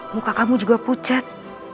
muka kamu juga pucat